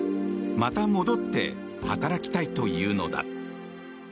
また戻って働きたいというのだ。